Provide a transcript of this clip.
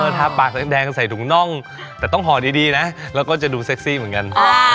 ทาปากแดงใส่ถุงน่องแต่ต้องห่อดีนะแล้วก็จะดูเซ็กซี่เหมือนกัน